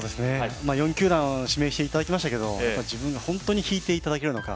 ４球団指名していただきましたけれども、自分が本当に引いていただけるのか